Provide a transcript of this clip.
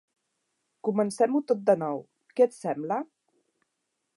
Comencem-ho tot de nou, què et sembla?